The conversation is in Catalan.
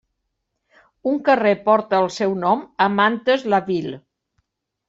Un carrer porta el seu nom a Mantes-la-Ville.